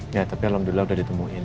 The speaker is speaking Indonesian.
ya tapi alhamdulillah udah ditemuin